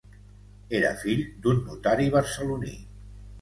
Era fill d'un notari barceloní.